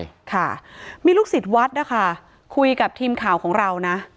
ค่ะมีลูกศิษย์วัดนะคะคุยกับทีมข่าวของเรานะ